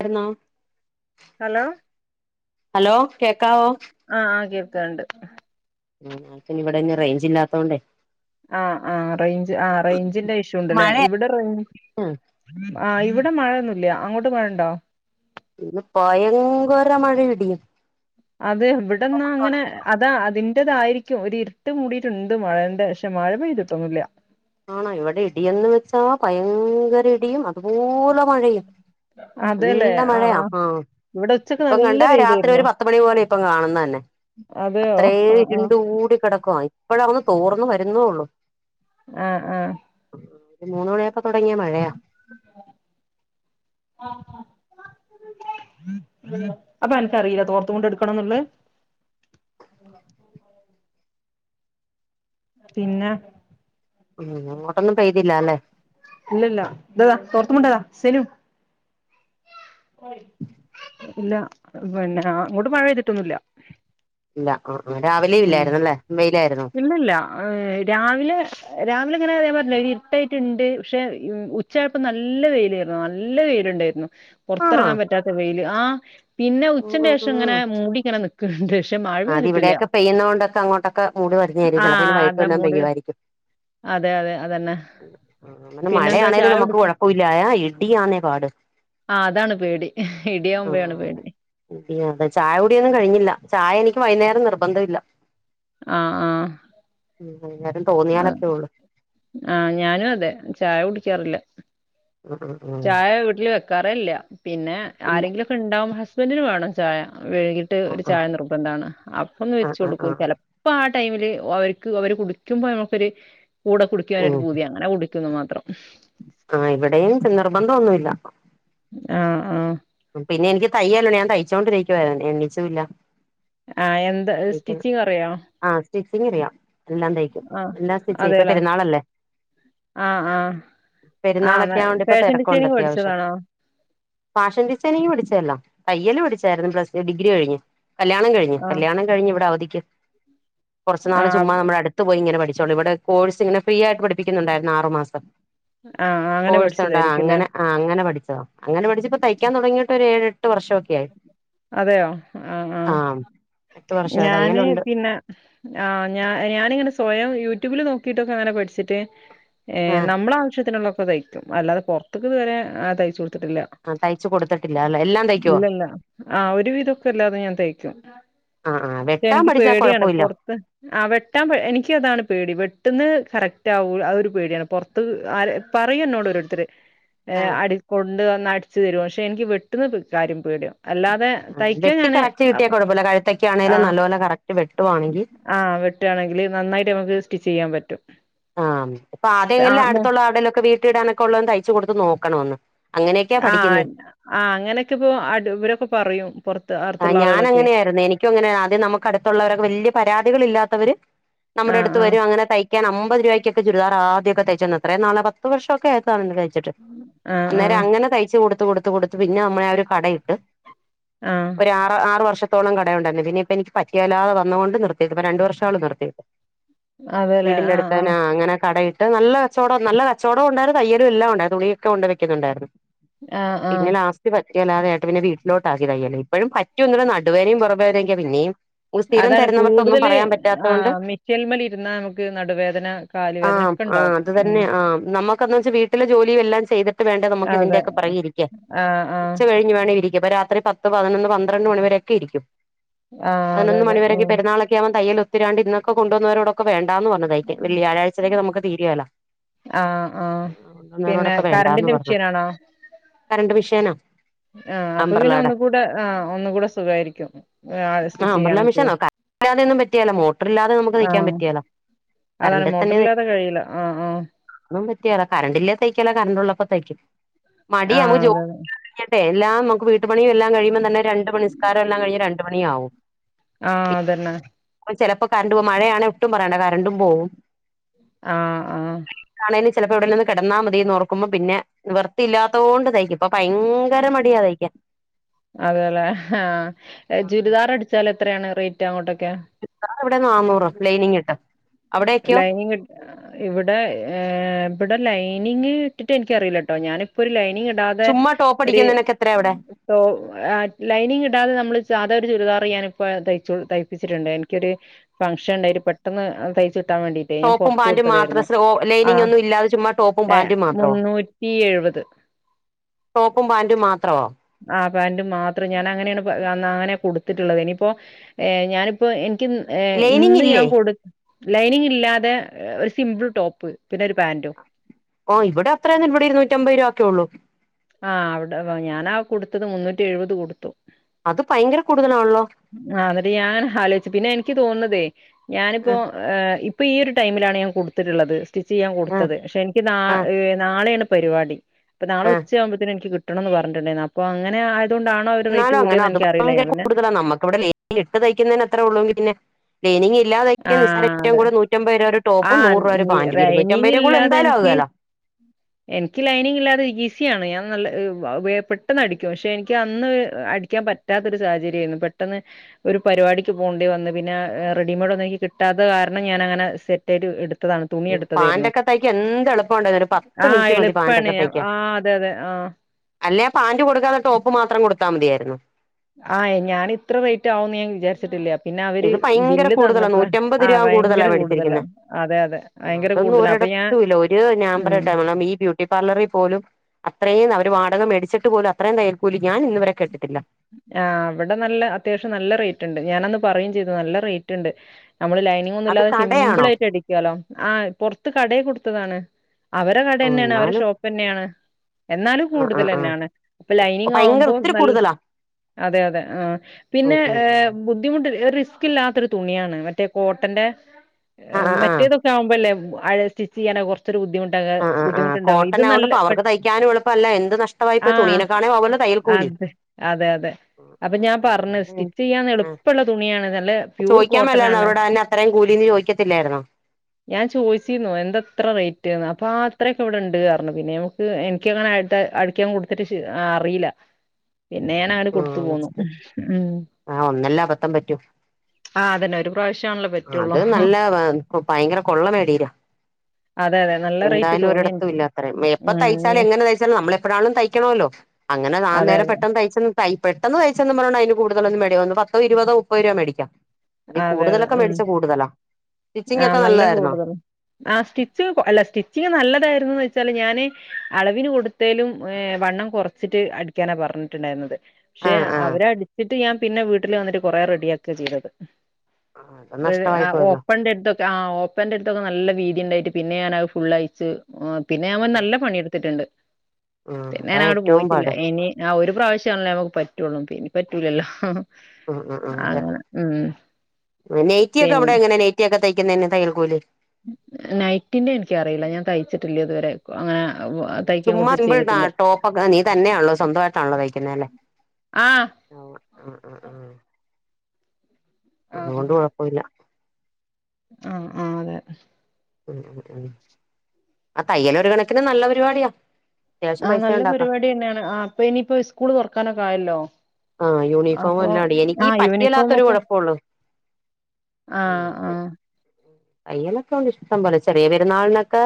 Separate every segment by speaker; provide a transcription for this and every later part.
Speaker 1: [unintelligible]
Speaker 2: Hello
Speaker 1: hello കേക്കാവോ?
Speaker 2: ആഹ് കേക്കാണ്ട്.
Speaker 1: പിന്നെ ഇവ്ടെ ന്ന് റേഞ്ച് ഇല്ലാത്തോണ്ടേ
Speaker 2: ആഹ് ആഹ് റേയ്ഞ്ച് ആഹ് റേയ്ഞ്ചിന്റെ ഇഷ്യൂണ്ട്ലേ
Speaker 1: മഴയ
Speaker 2: ഇവ്ടെ റേ
Speaker 1: ആ
Speaker 2: ആഹ് ഇവ്ടെ മഴയൊന്നുംല്ല അങ്ങോട്ട് മഴണ്ടോ?
Speaker 1: ഇന്ന് ഭയങ്കര മഴേ ഇടിം.
Speaker 2: അത് ഇവ്ടന്നാ അങ്ങനെ അതാ അതിന്റതാരിക്കും ഒരിര് ഇരുട്ട് മൂടിട്ടിണ്ട് മഴന്റെ പഷേ മഴപെയ്ത്ട്ടൊന്നുല്ല.
Speaker 1: ആണോ ഇവ്ടെ ഇടിന്ന് വെച്ചാ ഭയങ്കര ഇടിയും അത്പോലെ മഴയും. എല്ല മഴയാ ആഹ്.
Speaker 2: ഇവിടെ ഉച്ചക്ക്
Speaker 1: ഇപ്പം
Speaker 2: നല്ല
Speaker 1: കണ്ടാരാത്രി ഒര്
Speaker 2: വെയിലായിരുന്നു
Speaker 1: പത്ത്മണിപോലെ ഇപ്പം കാണുന്നന്നെ.
Speaker 2: അതെയോ
Speaker 1: അത്രേ
Speaker 2: ആഹ് ആഹ്
Speaker 1: ഇര്ണ്ടകൂടി കെടക്കുവാ ഇപ്പഴാ ഒന്ന് തോർന്ന് വര്ന്നോള്ളു.
Speaker 2: ആഹ് ആഹ്
Speaker 1: ഒര് മൂന്ന്മണി ആയപ്പോ തൊടങ്ങിയ മഴയാ
Speaker 2: ആഹ് ആഹ് അപ്പ അനക്കറിയില്ലേ തോർത്ത്മുണ്ട് എട്ക്കണംഎന്ന്ള്ള്. [inaudible] പിന്നെ!
Speaker 1: ഉം അങ്ങോട്ടൊന്നും പെയ്തില്ലലേ?
Speaker 2: ഇല്ലല്ല ഇതതാ തോർത്തുമുണ്ടതാ സനു. ഇല്ല പ്ന്നെ ഇങ്ങോട്ട് മഴപൊയ്തിട്ടൊന്നുല്ല.
Speaker 1: ഇല്ല ഉം ഉം രാവിലെ
Speaker 2: ഉം
Speaker 1: ഇല്ലാരുന്നല്ലേ വെയിലാര്ന്നു.
Speaker 2: ഇല്ലില്ല രാവിലെ രാവിലെങ്ങനെ ഞൻ പറഞ്ഞില്ലേ ഇരുട്ടായിട്ട്ണ്ട് പഷേ ഉ ഉച്ചായപ്പ നല്ല വെയിലാരുന്നു. നല്ല വെയിൽണ്ടാരുന്നു.
Speaker 1: ആണോ
Speaker 2: പൊറത്തെറങ്ങാൻ പറ്റാത്ത വെയില് ആഹ് പിന്നെ
Speaker 1: ഉം ഉം
Speaker 2: ഉച്ചന്റെശേഷം ഇങ്ങനെ മുടി ഇങ്ങനെ നിക്ക്ണ്ട് ഷേ മ
Speaker 1: ആഹ് അത് ഇവ്ടെക്കെ പെയ്യ്ന്ന കൊണ്ടൊക്കെ അങ്ങൊട്ടൊക്കെ മൂടി പറര്ന്നയാരി
Speaker 2: ആ
Speaker 1: ചെലപ്പോ ഇനി വൈകിട്ട്
Speaker 2: അതെ
Speaker 1: വല്ലൊം
Speaker 2: മൂടി
Speaker 1: പെയ്യുവാരിക്കും.
Speaker 2: അതെ അതെ അതന്നെ. പിന്നെന്താ
Speaker 1: മഴയാണെലും
Speaker 2: ചായ
Speaker 1: നമ്മക്ക്
Speaker 2: കുടിച്ചോ
Speaker 1: കൊഴപ്പവില്ലാ ആ ഇടിയാന്നേ പാട്.
Speaker 2: ആഹ് അതാണ് പേടി ഇടിയവ്മ്പഴാണ് പേടി
Speaker 1: അതെ അതെ ചായ കൂടിഒന്നും കഴിഞ്ഞില്ല ചായ എനിക്ക് വൈകുന്നേരം നിർബന്ധം ഇല്ല.
Speaker 2: ആഹ് ആഹ്
Speaker 1: ഉം വൈന്നേരം തോന്നിയാലൊക്കെള്ളൂ.
Speaker 2: ആഹ് ഞാനുംഅതെ ചായകുടിക്കാറില്ല.
Speaker 1: ആഹ് ആഹ്
Speaker 2: ചായ വീട്ടില് വെക്കാറേല്ല പിന്നെ
Speaker 1: ഇല്ല
Speaker 2: ആരെങ്കിലുംക്കെണ്ടാവും ഹസ്ബൻഡന് വേണം ചായ വൈകി ട്ട്
Speaker 1: ആ
Speaker 2: ഒര്
Speaker 1: ആ
Speaker 2: ചായ നിർബന്ധാണ് അപ്പൊന്ന്
Speaker 1: ആ
Speaker 2: വെച്ച്ച്
Speaker 1: ആ ആ
Speaker 2: കൊടുക്കും ചെല പ്പ ആ ടൈമില് അവർക്ക് അവര് കുടിക്കുമ്പോ നമുക്കൊരു കൂടെ
Speaker 1: ഉം
Speaker 2: കുടിക്കാനൊരുപൂതി അങ്ങനെ കുടി ുന്നു മാത്രം
Speaker 1: ആ ഇവിടെയും നിർബന്ധം ഒന്നുമല്ല
Speaker 2: ആഹ ആഹ
Speaker 1: പിന്നെ എനിക്ക് തയ്യല്ലോ, ഞാൻ തയ്ച്ചൊണ്ടിരിക്കുവരുന്നു എണ്ണിച്ചുംല്ല
Speaker 2: ആ എന്താ സ്റ്റിച്ചിങ്് അറിയോ
Speaker 1: ആ് സ്റ്റിച്ചിങ്ങ് അറിയാം, എല്ലാം തയ്ക്കും
Speaker 2: ആഹ്
Speaker 1: എല്ലാം സ്റ്റിച്ച് ചെയ്യും ഇപ്പ
Speaker 2: അതേല്ലേ
Speaker 1: പെരുന്നാൾല്ലേ
Speaker 2: ആഹ് ആഹ്
Speaker 1: പെരുന്നാളൊക്ക
Speaker 2: ആഹ്
Speaker 1: ആയ കൊണ്ട് ഇപ്പ
Speaker 2: ഫാഷൻ ഡിസൈനിങ്
Speaker 1: തിരക്കൊണ്ടത്യാവശ്യം.
Speaker 2: പഠിച്ചതാണോ
Speaker 1: ഫാഷൻ ഡിസൈനി പടിച്ച അല്ല തയ്യൽ പടിച്ചായിരുന്നു പ്ലസ്, ഡിഗ്രി കഴിഞ്ഞ്. കല്യാണം കഴിഞ്ഞഞ്
Speaker 2: ആഹ്
Speaker 1: കല്യാണം കഴിഞ് ഇവിടെ അവധിക്ക് കുറച്ച നാള് ചുമ്മാ
Speaker 2: ആഹ്
Speaker 1: നമ്മുടെ അടുത്ത് അത്ത് പോയി ഇങ്ങന പഠിച്ചോളൂ ഇവിടെ കോഴ്സ് ഇനെ ഫ്രീ ആട്ട് പഠിിക്കുന്നുണ്ടായിരുന്നു ആു മാസം
Speaker 2: ആഹ ആഹ അങ്ങനെ പഠിച്ചതായിരിക്കുംല്ലേ
Speaker 1: ആഹ് അങ്ങന പഠിച്ചത അങ്ങന പഠിച്ചിപ്പ തയ്ക്കാൻ തുടങ്ങിട്ട് ഒരു ഏഴെട്ട് വർഷക്കെ ആയി
Speaker 2: അതെയോ ആഹ
Speaker 1: ആ
Speaker 2: ആഹ
Speaker 1: എട്ട് വർഷമായി
Speaker 2: ഞാന്
Speaker 1: തയ്യലുണ്ട്
Speaker 2: പിന്നെ ആഹ ഞാ ഞാനിങ്ങനെ സ്വയം യൂട്യൂബില് നോക്കിട്ടൊക്കെ അങ്ങനെ പഠിച്ചിട്ട് ഏഹ
Speaker 1: ആ
Speaker 2: നമ്മുടെ ആവശ്യത്തിനുള്ളൊക്ക തയ്ക്കും അല്ലാതെ പുറത്തേക്ക് ഇതുവരെ തയ്ച്ചു കൊടുത്തിട്ടില്ല
Speaker 1: ആഹ തയ്ച്ചു കൊടുത്തിട്ടില്ല അല്ല എല്ലാം തയ്ക്കുവോ
Speaker 2: ആഹ ഒരു വിധൊക്കെ അല്ലാതെ ഞാൻ തയ്ക്കും
Speaker 1: ആ ആ
Speaker 2: [unintelligible]
Speaker 1: വെട്ടാൻ
Speaker 2: എനിക്ക്
Speaker 1: പഠിച്ചാ
Speaker 2: പേടിയാണ്
Speaker 1: കുഴപ്പമില്ല
Speaker 2: പൊറത്ത് ആഹ വെട്ടാൻ എനക്ക് അതാണ് പേടി വെട്ടന്ന് കറക്റ്റ് ആവൂ ആഹ ഒരു പേടിയാണ് പുറ ത്ത് [unintelligible] പറയ എന്നോട് ഒരോരുത്തര്
Speaker 1: [inaudible]
Speaker 2: ഏഹ് അടികൊണ്ട്ന്നടിച്ച് തരോന്ന് പക്ഷെ എനിക്ക് വെട്ടന്ന് കാര്യം എനിക്ക്‌ പേടിയ അല്ലാതെ
Speaker 1: ആഹ
Speaker 2: തയ്ക്കാൻ
Speaker 1: വെട്ടി
Speaker 2: ഞാന്
Speaker 1: കറക്റ്റ് കിട്ടിയൽ കുഴപ്പമ കഴുത്തക്കെ ആണേലും നല്ല പോലെ കറക്റ്റ് വെട്ടുവാണെങ്കിൽ
Speaker 2: ആഹ വെട്ടുകയാണെങ്കിൽ നന്നായിട്ട് നമുക്ക് സ്റ്റിച്ച് ചെയ്യാൻ പറ്റും
Speaker 1: ആഹ് അപ്പൊ ആതംങ്ങനെ
Speaker 2: ആഹ് മു
Speaker 1: അടുത്തുള്ള ആടേിലൊക്കെ വീട്ടിടാനൊക്കെ ഉള്ളതന്ന് തയ്ച്ചു കൊടുത്ത് നോക്കണമന്ന് അങ്ങനെയൊക്കെയാ പഠിക്കുന്ന
Speaker 2: ആഹ അങ്ങനെയൊക്കെ ഇപ്പോ അട ഇവിടെക്കെ പറയും പുറത്ത്
Speaker 1: ആഹ
Speaker 2: അടുത്തുള്ള
Speaker 1: ഞാന
Speaker 2: ആളുകളൊക്കെ
Speaker 1: അങ്ങനെയ ആയിരുന്നു എനിക്ക് അങ്ങനെയദ്യം നമുക്ക അടുത്തുള്ളവര വലിയ പരാതികള ഇല്ലാത്തവര് നമ്മുടെ
Speaker 2: ആഹ്
Speaker 1: അടുത്ത്
Speaker 2: ആഹ്
Speaker 1: വരും അങ്ങെ തയ് അമ്പത് രൂപക്കെ ചുരിദർ ആദ്യംക്കെ തച്ചന്നത്ര നാളെത്ത് വർഷൊക്കെ ആയി
Speaker 2: ആഹ്
Speaker 1: അന്നേരം
Speaker 2: ആഹ്
Speaker 1: അങ്ങനെ തയ്ച്ച് കൊടുത്തത്ത് കൊടുത്ത് കൊടുത്ത് പിന്നെ നമ്മളെ ആഹ ഒരു കട ഇട്ട്
Speaker 2: ആഹ
Speaker 1: ആറ് ആറ് വർത്തോളം കടയണ്ടാരുന്ന പിന്നയിപ്പൊ എനി പറ്റിയയില്ലതെന്നുക കൊണ്ട് നിർത്തിയത് ഇപ്പ രണ്ടു വർഷോളോ നിർത്തിട്ടത്
Speaker 2: അതെല്ലേ
Speaker 1: വീടിന്റെ
Speaker 2: ആഹ് ആഹ്
Speaker 1: അടുത്തന്നാ അങ്ങനെ കട നല്ല കച്ചടം നല്ല കച്ചവടവും ഉണ്ടായിരുന്നു തയ്യലും എല്ലാം ഉണ്ടായിരുന്നു തുണിയൊക്കെ കൊണ്ട് വെക്കുന്നുണ്ടായിരുന്നു
Speaker 2: ആഹ് ആഹ്
Speaker 1: പിന്നെ ലാസ്റ്റ് പറ്റില്ലാതെയിട്ട് പിന്നെ വീട്ടിലോട്ട് ആകിതയ്യലെ ഇപ്പോഴും പറ്റും ഒന്നല്ല നടുവേദനയും പുറവേദനക്കെയ പിന്നെയും സ്ഥിരം
Speaker 2: അതാണ്
Speaker 1: തരുന്നവർക്ക് ഒന്നും
Speaker 2: കൂടുതല്
Speaker 1: പറയാൻ
Speaker 2: ആഹ
Speaker 1: പറ്റാത്തോണ്ട്
Speaker 2: മിഷ്യൽമൽ ഇരുന്ന നമുക്ക് നടുവേദന കാല് വേദന
Speaker 1: ആഹ്
Speaker 2: ഒക്കെ
Speaker 1: ആഹ്
Speaker 2: ഉണ്ടാവും
Speaker 1: അത് തന്നെ
Speaker 2: ഉം
Speaker 1: ആഹ നമ്മുക്കന്താ വെച്ചാ വീട്ടിലെ ജോലിയും എല്ലാം ചെയ്തിട്ട് വേണ്ട നമുക്ക്
Speaker 2: അതെ
Speaker 1: ഇതിന്റെയ ഒക്കെ പറകരിക്ക
Speaker 2: ആഹ് ആഹ്
Speaker 1: ഉച്ചഴി വേണ ഇരിക്ക രാത്രി പത്ത് പതിനൊന്ന് പന്ത്രണ്ട് മണിവ വരൊക്കെ ഇരിക്കും
Speaker 2: ആഹ് അതെ
Speaker 1: പതിനൊന്ന്
Speaker 2: അതെ
Speaker 1: മണി വരക്ക്
Speaker 2: ഉം
Speaker 1: പെരുന്നാളൊക്കെ ആകുമ്പം തയ്യൽ ഒത്തിരാണ്ട് ഇന്നൊക്കെ കൊണ്ടുവന്നവരോടൊക്കെ വേണ്ട എന്ന് പറഞ്ഞു [unintelligible] വയ്യാഴാഴിച്ചത്തേക്ക് നമക്ക് തീരയാല്ലോ
Speaker 2: ആഹ് ആഹ് പിന്നെ
Speaker 1: ആന്നേരോടൊക്കെ വേണ്ടന്ന്
Speaker 2: കറണ്ടിന്റെ
Speaker 1: പറഞ്ഞു
Speaker 2: മിഷ്യനാണോ
Speaker 1: കരണ്ട് മിഷയന
Speaker 2: ആഹ അപ്പൊ പിന്നെ ഒന്ന കൂടെ ആഹ ഒന്ന കൂടെ സുഖായിരിക്കും ആഹ്
Speaker 1: ആഹ
Speaker 2: സ്റ്റിച്ച്
Speaker 1: അംബ്രല
Speaker 2: ചെയ്യാനൊക്കെ
Speaker 1: മെഷൻ നോക്കാം [unintelligible] കാതെ ഒന്നുംപറ്റിയല്ല മോട്ടറില്ലാതെ നമുക്ക് തയ്ക്കാൻ
Speaker 2: ആഹ്
Speaker 1: പറ്റിയാല
Speaker 2: അതാണ് മോട്ടറില്ലാതെ കഴിയില്ല ആഹ ആഹ്
Speaker 1: ഒന്നും പറ്റിയല്ല കറണ്ട്ല്ലേ തയ്ക്കല്ലോ കറണ്ട് ഉള്ളപ്പോ തയ്ക്കും മടി നമുക്ക്
Speaker 2: ആഹ് അതെ അതെ
Speaker 1: ജോലിയൊന്നു ചെയ്യാൻ എല്ല നമുക്ക് വീട്ടുപണിയ എല്ലാം കഴിയുമ്പോ തന്നെ രണ്ട മണി നിസ്കാരം എല്ലാം കഴിഞ്ഞഞ് രണ്ട മണിയവും
Speaker 2: ആഹ് അതന്നെ
Speaker 1: അപ്പ ചിലപ്പോ കറണ്ട് പോവും മഴയാണ് ഒട്ടും പറയണ്ട കറണ്ടും പോവും
Speaker 2: ആഹ ആഹ
Speaker 1: ആണേലും ചിലപ്പോ എവിടെലൊന്ന് കിടന്നാ മതിയന്നോർക്കുമ്പോ പിന്നെ നിവർത്തിയില്ലാത്തത കൊണ്ട് തയ്ക്കും ഇപ്പൊ ഭയങ്കര മടിയാ തയ്ക്കാൻ
Speaker 2: അതേല്ലെ ആഹ ചുരിദാർ അടിച്ചാൽ എത്രയാണ് റേറ്റ് അങ്ങോട്ടൊക്കെ
Speaker 1: രിദാർ ഇവിടെ നാന്നൂറ് ലൈനിങ്ങിട്ട് അവിടെയൊക്കെയോ
Speaker 2: ലൈനിങ് ഇട്ട് ഇവിടെ ഇവിടെ ലൈനിങ് ഇട്ടിട്ട് എനിക്കറിയില്ല ട്ടോ ഞാനിപ്പോ ഒരു ലൈനിങ്
Speaker 1: ചു മ്മ ടോപ്പടിക്കുന്നതിനൊക്കെ എത്രയാ അവിടെ
Speaker 2: ടോ ലൈനിങ് ഇടാതെ നമ്മള് സാധാ ഒരു ചുരിദാർ ഞാനിപ്പോ തയ്ച്ചു തയ്പ്പിച്ചിട്ടുണ്ട് എനിക്കൊരു ഫംഗ്ഷൻ ണ്ടായിട്ട് പെട്ടെന്ന് അ തയ്ച്ചിട്ട് ട്ടാൻ വേണ്ടീട്ടേ ഞാൻ
Speaker 1: ടോപ്പും
Speaker 2: പൊറത്ത്
Speaker 1: പാന്റും മാത്രം
Speaker 2: കൊടുത്തതായിരുന്നു
Speaker 1: സ്ലോ
Speaker 2: ആ
Speaker 1: ലൈനിങ് ഒന്നും ഇല്ലാതെ ചുമ്മാ ടോപ്പും പാന്റും മാത്രോ
Speaker 2: മുന്നൂറ്റി റ്റി എഴുപത്
Speaker 1: ടോപ്പും പാന്റും മാത്രോ
Speaker 2: ആ പാാന്റ് മാത്രം ഞാൻ അങ്ങനെയാണ് അങ്ങനെ കൊടുത്തിട്ടുള്ളത് ഇനിയിപ്പോ ഏ ഞാന് ഇപ്പൊ എനിക്ക്
Speaker 1: ലൈനിങ്
Speaker 2: ഇന്ന് ഞാൻ
Speaker 1: ഇല്ലേ
Speaker 2: കൊടുക്ക ലൈനിങ് ഇല്ലാതെ ഒരു സിംപിൾ ടോപ്പ് പിന്നെ ഒരു പാന്റും
Speaker 1: ഓ ഇവിടെ അത്രയൊന്നുല്ല ഇവിടെ ഇരു നൂറ്റമ്പത് രൂപക്കെ ഉള്ളൂ
Speaker 2: ആഹ് അവിടെ ഞാനാ കൊടുത്തത് മുന്നൂറ്റി എഴുപത് കൊടുത്തു
Speaker 1: അത് ഭയങ്കര കൂടുതലാണല്ലോ
Speaker 2: ആ എന്നിട്ട് ഞാൻ ആലോചിച്ചു പിന്നെ എനിക്ക് തോന്നുന്നതേ ഞാനിപ്പോ
Speaker 1: ആ
Speaker 2: ഇപ്പൊ ഈ ഒരു ടൈമിലാണ് ഞാൻ കൊടുത്തിട്ടുള്ളത് സ്റ്റിച്ച് ചെയ്യാൻ
Speaker 1: ആ
Speaker 2: കൊടുത്തത് പക്ഷെ എനിക്ക് നാ
Speaker 1: ആ
Speaker 2: നാളെയാണ് പരിപാടി
Speaker 1: ആ
Speaker 2: ഉച്ച ആകുമ്പോത്തേന് എനിക്ക് കിട്ടണം ന്ന് പറഞ്ഞട്ടുണ്ടായിന്ന് അപ്പോ അങ്ങന ആയതൊണ്ടാണ്
Speaker 1: എന്നാലും അങ്ങനെ അത് ഭയങ്കര കൂടുതലാണ് നമ്മുക്കിവിടെ ലൈനിംഗ് ഇട്ട് തയ്ക്കുന്നതിന് അത്രേ ഉള്ളൂ എങ്കി പിന്നെ ലൈനിങ് ഇല്ലാതായിരിക്കാ നിസാര
Speaker 2: ആഹ്
Speaker 1: ഏറ്റവും
Speaker 2: അതെ
Speaker 1: കൂടിയ നൂറ്റമ്പത് രൂപ ഒരു ടോപ്പും നൂറ്
Speaker 2: ആഹ്
Speaker 1: രൂപ ഒരു പാന്റും ഇരു നൂറ്റമ്പത്
Speaker 2: ലൈനിങ്
Speaker 1: രൂപയിൽ കൂടുതൽ
Speaker 2: ഇല്ലാതെ
Speaker 1: എന്തായാലും ആക്
Speaker 2: എനിക്ക്
Speaker 1: കേല [inaudible]
Speaker 2: എനിക്ക് ലൈനിങ് ഇല്ലാതെ ഈസിയാണ് ഞാൻ നല്ല പെട്ടെന്ന് അടിക്കും പക്ഷെ എനിക്ക് അന്ന് അടിക്കാൻ പറ്റ പറ്റാത്ത ഒരു സാഹചര്യാരുന്നു പെട്ടെന്ന് ഒരു പരിപാടിക്ക് പോകേണ്ടി വന്നന്ന് പിന്നെ റിട്ടൺ റെഡിമേഡ ഒന്നുംകിട്ടാത്ത കാരണം ഞാാന അങ്ങനെ സെറ്റ് ആയിട്ട്ടുത്ത ത്താണ് തുണി എടുത്തതായിരുന്നു
Speaker 1: പാന്റൊക്കെ തയ്ക്കാൻ എന്ത് എളുപ്പമുണ്ടായിരുന്നു ഒരു പത്ത്
Speaker 2: ആ
Speaker 1: മിനിറ്റ് മതി
Speaker 2: എളുപ്പാണ് ഞാ ആ അതെ അതെ ആഹ
Speaker 1: അല്ലെ പാന്റ് കൊടുക്കാതെ ടോപ്പ് മാത്രം കൊടുത്താൽ മതിയായിരുന്നു
Speaker 2: ആ ഞാൻ ഇത്ര റേറ്റ് ആവുംന്ന് ഞാൻ വിചാരിച്ചിട്ടില്ല പിന്നെ അവര്
Speaker 1: ഇത് ഭയങ്കര
Speaker 2: ബില്
Speaker 1: കൂടുതലാ
Speaker 2: തന്നപ്പളാ
Speaker 1: നൂറ്റമ്പത്
Speaker 2: ആ
Speaker 1: രൂപ കൂടുതലാ
Speaker 2: ഭയങ്കര
Speaker 1: മേടിച്ചിരിക്കുന്നെ
Speaker 2: കൂടുതലാണ് അതെ അതെ ഭയങ്കര
Speaker 1: അതൊന്നും
Speaker 2: കൂടുതലാ. അപ്പൊ ഞാൻ
Speaker 1: ഒരിടത്തും ഇല്ല ഒരു ഞാൻ
Speaker 2: ഉം
Speaker 1: പറയട്ടെ ഈ യ്യൂട്ടി പാർലറിൽ പോലും അത്രയും അവർ വാടക മേടിച്ചിട്ട് പോലും അത്രയും തയ്യൽക്കൂലി ഞാൻ ഇന്ന് വരെ കേട്ടിട്ടില്ല
Speaker 2: ആ അവിടെ നല്ല അത്യാവശ്യം നല്ല റേറ്റ്ണ്ട് ഞാാനന്ന് പറയും ചെയ്തു നല്ല റേറ്റ് ണ്ട് നമ്മള് ലൈനിങ് ഒന്നും
Speaker 1: അത്
Speaker 2: ഇല്ലാതെ സിപിൾ
Speaker 1: കടയാണോ
Speaker 2: ആയിട്ട് അടിക്കുവാലോ ആ പൊറത്ത് കടേ കൊടുത്തതാണ് അവരെ കട
Speaker 1: ഉം
Speaker 2: തന്നെയാണ് അവരുടെ
Speaker 1: എന്നാലും
Speaker 2: ഷോപ്പ് തന്നെയാണ് എന്നാലും
Speaker 1: ആഹ്
Speaker 2: കൂടുതൽ
Speaker 1: ആഹ് ആഹ്
Speaker 2: തന്നെയാണ് അപ്പൊ ലൈനിങ് ആവുമ്പോ
Speaker 1: ഭയങ്കര ഒത്തിരി കൂടുതലാ
Speaker 2: അതെതെ ആ
Speaker 1: ഉം
Speaker 2: പിന്നെ
Speaker 1: ഉം ഉം
Speaker 2: ബുദ്ധിമുട്ട് റിസ്ക് ഇല്ലാത്തൊരു തുണിയാണ് മറ്റേ കോട്ടന്റെ
Speaker 1: ആഹ് ആഹ് ആഹ്
Speaker 2: മറ്റേതൊക്കെ ആവുമ്പല്ലേ സ്റ്റിച്ച് ചെയ്യാനക്കെ കുറച്ചൊരു ബുദ്ധിമുട്ട്
Speaker 1: ആഹ് ആഹ് ആഹ്
Speaker 2: ബുദ്ധിമുട്ടുണ്ടാവും
Speaker 1: കോട്ടൺ
Speaker 2: ഇത്
Speaker 1: ആയോണ്ട്
Speaker 2: നല്ല
Speaker 1: ഇപ്പ അവർക്ക്
Speaker 2: പെട്ടെ
Speaker 1: തയ്ക്കാനും
Speaker 2: ആഹ
Speaker 1: അത് പോലെ തയ്യലും
Speaker 2: അതെ അതെ അതെ അപ്പൊ ഞാൻ പറഞ്ഞു സ്റ്റിച്ച് ചെയ്യാൻ എളുപ്പമുള്ള തുണിയാണ് നല്ല പ്യൂർ കോട്ടൺ
Speaker 1: അവനോട്
Speaker 2: ആണ്
Speaker 1: അവിടെ അന്നെഅത്രയും കൂലീന്ന് ചോദിക്ക തില്ലായിരുന്നോ
Speaker 2: ഞാൻ ചോദിച്ചിന്നു എന്തത്ര റേറ്റ് ന്ന്അപ്പ അത്രയൊക്കെ ഇവിടെ ഉണ്ട് ന്നറഞ്ഞു പിന്നെ നമക്ക് എനിക്ക്ങ്ങനെ എനിക്കാണ്ടെങ്കിൽ ഒടുക്കത്തെ ഇഷ്യൂഅറിയില പിന്നെ ഞൻ അങ്ങട് കൊടുത്തു പോന്നു ഉം
Speaker 1: ആഹ് ഒന്നല്ലേ അബദ്ധം പറ്റൂ
Speaker 2: ആ അതന്നെ ഒരു പ്രാവശ്യാണല്ലോ പറ്റ
Speaker 1: അത് നല്ല ഭഭയങ്കര കൊള്ളനേടീര്യ
Speaker 2: അതെ അതെ നല്ല റേറ്റ്
Speaker 1: എന്തായലും
Speaker 2: തോന്നി
Speaker 1: ഒരിടത്തും
Speaker 2: എനിക്ക്
Speaker 1: ഇല്ലാത്ര
Speaker 2: ഉം ഞ-
Speaker 1: എപ്പതയ്ച്ചാല്എങ്ങനെതയ്ച്ചാലും നമ്മള്എപ്പഴാണും തയ് ക്ക്യണോല്ലോ
Speaker 2: അതെ
Speaker 1: അങ്ങനെന്നാനേരം
Speaker 2: അതെ
Speaker 1: പെട്ടെന്ന്തയ്ച്ച് തൈപെട്ടെന്ന്തയ്ച്ചന്ന്പറഞ്ഞോണ്ട് അയിന് കൂടുതലൊന്നും മേടികഒന്ന് പത്തോഇരുപതോമുപ്പത് രൂപ മേടിക്കാം അതീ
Speaker 2: അതെ അതെ
Speaker 1: കൂടുതലൊക്കെ
Speaker 2: ഉം
Speaker 1: മേടിച്ച കൂടുതലാ സ്റ്റിച്ചിങ്
Speaker 2: ആഹ്
Speaker 1: ഒക്കെ നല്ലതായിരുന്നോ
Speaker 2: നല്ലകൂടുതല് ആഹ് സ്റ്റിച്ച് അല്ലസ്റ്റിച്ചിങ് നല്ലതായിരുന്നുന്ന് വെച്ചാല്ഞാന് അളവിന്കൊട് ത്തേലും ഏഹ് വണ്ണംകുറച്ചിട്ട് അടിക്കാനാ പറഞ്ഞിട്ടുണ്ടായിരുന്നത് പക്ഷെ
Speaker 1: ആഹ് ആഹ്
Speaker 2: അവരടിച്ചിട്ട് ഞാൻ പിന്നെവീട്ടില് വന്നിട്ട് കൊറെ റെഡിയാക്കചെയ്തത്
Speaker 1: അത് നഷ്ടമായി
Speaker 2: ആഹ്
Speaker 1: പോയല്ലോ
Speaker 2: ഓപ്പൺ ഡെഡോ ആഹ് ഓപ്പൺന്റെടുത്തൊക്കെ നല്ല വീതിണ്ടായിട്ട് പിന്നെ ഞാനഹ് ഫുള്ള് അയിച്ച് പിന്നെ ഞാമൽ നല്ലപണിയെടുത്തിട്ട്ണ്ട്
Speaker 1: ഉം
Speaker 2: പിന്നെ
Speaker 1: അതാ
Speaker 2: ഞാനാങ്ങട്ട്
Speaker 1: ഏറ്റവും
Speaker 2: പോയിട്ടില്ല
Speaker 1: പാട്
Speaker 2: ഇനി ആഹ് ഒരു പ്രാവശ്യം ആണല്ലേ നമുക്ക് പറ്റൊള്ളൂ പിഇനിപറ്റൂലല്ലോ അങ്ങനെ ഉം
Speaker 1: നെയ്റ്റിക്കെ അവ്ടെ
Speaker 2: പിന്നെ
Speaker 1: എങ്ങനെ നെയ്റ്റി ഒക്കെ തയ്ക്കുന്നന്നെ തയ്യൽക്കൂലി
Speaker 2: നൈറ്റിന്റെ ഇൻക്ക്യറിയൂല ഞാൻ തയ്ച്ചിട്ടില്ലേഇതുവരെ അങ്ങനെ അവ്വോ
Speaker 1: ചുമ്മാസിമ്പിൾ ടോപ്പൊക്കെ നീ തന്നെയാണല്ലോ സ്വന്തമായിട്ടാണല്ലോ തൈക്കുന്നേ അല്ലേ
Speaker 2: ആഹ്
Speaker 1: ആഹ് ആഹ് ആഹ്
Speaker 2: ആഹ്
Speaker 1: അതുകൊണ്ട്
Speaker 2: ആഹ്
Speaker 1: കൊഴപ്പമില്ല
Speaker 2: ആഹ് ആഹ് അതെ
Speaker 1: ആഹ് ആഹ് ആഹ് ആഹ് തയ്യലൊര് കണക്കിന് നല്ലപരിപാടിയാ
Speaker 2: ആഹ് നല്ല പരിപാടിയെന്നെയാണ് ആഹ് അപ്പൊ ഇനിയിപ്പോ സ്കൂള് തുറക്കാനൊക്കെ ആയല്ലോ
Speaker 1: ആ യൂണിഫോമും
Speaker 2: അപ്പൊ
Speaker 1: എല്ലാം ഉണ്ട് എനിക്ക്
Speaker 2: ആഹ്
Speaker 1: പറ്റിയല്ലാത്തൊരു
Speaker 2: യൂനിഫോമൊക്കെ
Speaker 1: കുഴപ്പള്ളൂ
Speaker 2: ആഹ്
Speaker 1: എനിക്ക്
Speaker 2: ആഹ്
Speaker 1: തയ്യലൊക്കെ ഇണ്ട് ഇഷ്ടംപോലെ ചെറിയപെരുന്നാളിനൊക്കെ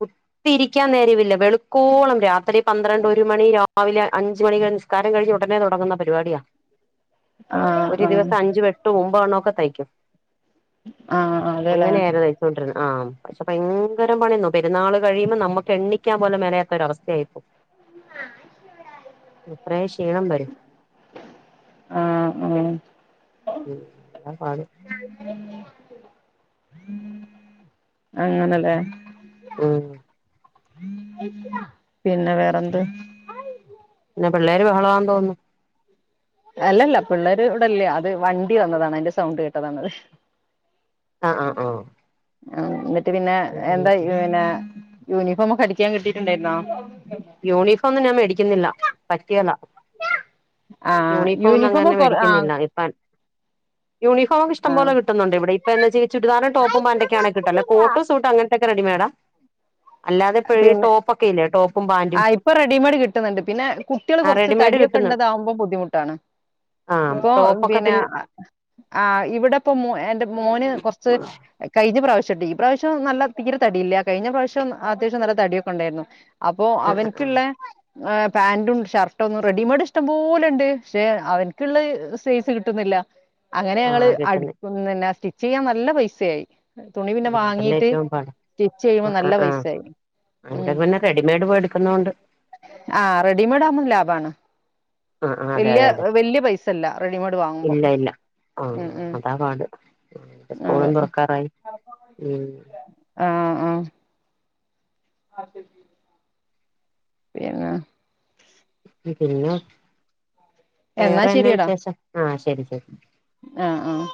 Speaker 1: കുത്തി ഇരിക്ക്യാനേരവില്ല വെളുക്കോളം രാത്രി പന്ത്രണ്ട്ഒരുമണി രാവിലെ അഞ്ച്മണിക്ക്‌ നിസ്കാരം കഴിഞ്ഞ് ഉടനെ തുടങ്ങുന്ന പരിപാടിയാ
Speaker 2: ആഹ്
Speaker 1: ഒരു
Speaker 2: ആഹ്
Speaker 1: ദിവസം അഞ്ച് വെട്ടും ഒമ്പത് എണ്ണക്കെതയ്ക്കും
Speaker 2: ആഹ് അതെല്ലേ
Speaker 1: അങ്ങനേണ് തയിച്ചോണ്ടിര്ന്ന് ആഹ് പക്ഷെ ഭയങ്കരപണിനോ പെര്ന്നാള്കഴിയുമ്പം നമ്മക്ക്എണ്ണി ക്കാൻപോലും മെനയത്തൊരവസ്ഥയായിപ്പോ ഇത്രയേക്ഷീണംവരും
Speaker 2: ആഹ് അങ്ങനെ
Speaker 1: ഉം അതാ പാട്
Speaker 2: [unintelligible] അങ്ങനല്ലേ
Speaker 1: ഉം
Speaker 2: [inaudible] പിന്നെ വേറെന്ത്
Speaker 1: പിന്നെ പിള്ളേര് ബഹളം ആന്ന് തോന്നുന്നു
Speaker 2: അല്ലല്ല പിള്ളേര് ഇവിടല്ല്യ അത് വണ്ടിവന്നതാണ് അയിന്റെ സൗണ്ട്കേട്ടതാണത്
Speaker 1: ആഹ് ആഹ് ആഹ്
Speaker 2: ആഹ് എന്നിട്ട് പിന്നെ
Speaker 1: ആ
Speaker 2: എന്തായിപിന്നെ യൂനിഫോമൊക്കെ അടിക്ക്യാൻ കിട്ടീട്ട്ണ്ടായിരുന്നോ
Speaker 1: യൂണിഫോംന്ന് ഞാൻ മേടിക്കുന്നില്ല പറ്റിയാല്ല
Speaker 2: ആഹ് യൂണിഫോം
Speaker 1: യൂണിഫോംന്നങ്ങനെ
Speaker 2: ഒക്കെ ആഹ്
Speaker 1: മേടിക്കുന്നില്ല ഇപ്പൻ യൂണിഫോമ് ഇഷ്ടം പോലെ
Speaker 2: ആഹ്
Speaker 1: കിട്ടുന്നുണ്ട് ഇവിടെ ഇപ്പ എന്നച്ചാ ചുരിദാറ് ടോപ്പും പാൻന്റോക്കാണ്കിട്ട അല്ല കോട്ടുംസൂട്ടും അങ്ങെ അതക്കെറെഡിമേഡ അല്ലാതെപ ഈ
Speaker 2: പിന്നെ
Speaker 1: ടോപ്ക്കെഇല്ലേ ടോപ്പ്
Speaker 2: ആഹ് ഇപ്പറെഡിമെയഡ്കിട്ടുന്ന്ണ്ട് പിന്നെ കുട്ട്യള്കൊറച്ച്തടിയൊക്കെ
Speaker 1: ആ റെഡിമെയ്ഡ് കിട്ടുന്നു
Speaker 2: ഇള്ളതാവുമ്പംബുദ്ധിമുട്ടാണ്
Speaker 1: ആ
Speaker 2: ഇപ്പൊ
Speaker 1: ടോപ്പൊക്കെ
Speaker 2: പിന്നെ ആഹ് ആഹ് ഇവിടെ പ്പൊ മോ എന്റെമോന് കൊർച്ച് കഴിഞ്ഞ പ്രാവശ്യട്ടോ. ഈ പ്രാവശ്യം നല്ല തീരെ തടിയില്ല. കഴിഞ്ഞ പ്രാവശ്യം അത്യാവശ്യം നല്ല തടിയൊക്കെ ഉണ്ടായിരുന്നു അപ്പ അപ്പൊ
Speaker 1: ആ ആ
Speaker 2: അവന്ക്ക്ള്ള ആഹ് പാന്റും ഷർട്ടൊന്നും റെഡിമെയ്ഡ് ഇഷ്ടംപോലെണ്ട്. പക്ഷെ അവന്ക്ക്ള്ള സൈസ് കിട്ടുന്നില്ല. അങ്ങനെ
Speaker 1: ആ
Speaker 2: ഞങ്ങള്
Speaker 1: ആ കിട്ടുന്നെ
Speaker 2: അടുക്കുന്നന്നെ സ്റ്റിച്ച് ചെയ്യാൻ നല്ല പൈസയായി. തുണി പിന്നെ
Speaker 1: ആ അതല്ലേ
Speaker 2: വാങ്ങീട്ട്
Speaker 1: ഏറ്റവും പാട്
Speaker 2: സ്റ്റിച്ച് ചെയ്യുമ്പോ നല്ല പൈസായി. ഉം
Speaker 1: റെഡിമെഡ് പോയിട്ക്ക്ന്നോണ്ട്
Speaker 2: ആഹ് റെഡിമെയ്ഡ് ആവുമ്പോ ലാഭണ്.
Speaker 1: ആ ആ അതെ
Speaker 2: വല്യ
Speaker 1: അതെ അതെ
Speaker 2: വല്യ പൈസല്ല റെഡിമെയ്ഡ് വാങ്ങുമ്പ.
Speaker 1: ആഹ്അതാ പാട് സ്കൂളും
Speaker 2: അതെ
Speaker 1: തുറക്കാറായി ഉം
Speaker 2: ആഹ് ആഹ് ആഹ് ശരി ആഹ് പിന്നെ?
Speaker 1: പിന്നെ
Speaker 2: എന്നാ
Speaker 1: വേറെന്നാ വിശേഷം ആഹ് ശെരി ശെരി.
Speaker 2: ആഹ് ആഹ്